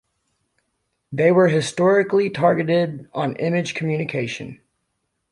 They were historically targeted on image communication.